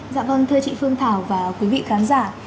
dạ vâng thưa chị phương thảo và quý vị khán giả